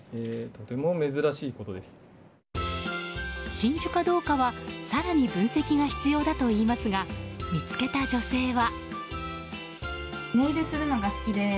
真珠かどうかは更に分析が必要だといいますが見つけた女性は。